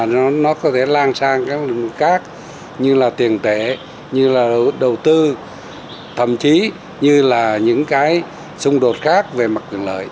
nhưng cũng là một cuộc chiến tranh khác như tiền tệ đầu tư thậm chí những xung đột khác về mặt lợi